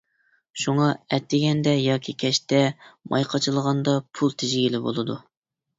شۇڭا ئەتىگەندە ياكى كەچتە ماي قاچىلىغاندا پۇل تېجىگىلى بولىدۇ.